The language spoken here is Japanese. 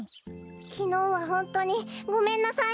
きのうはホントにごめんなさい。